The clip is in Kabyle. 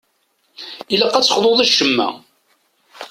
Ilaq ad texḍuḍ i ccemma.